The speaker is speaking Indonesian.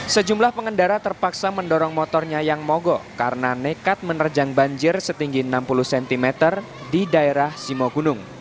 sejumlah pengendara terpaksa mendorong motornya yang mogok karena nekat menerjang banjir setinggi enam puluh cm di daerah simogunung